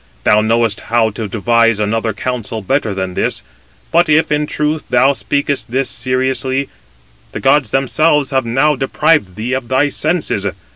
Thou knowest how to devise another counsel better than this; but if, in truth, thou speakest this seriously, the gods themselves have now deprived thee of thy senses.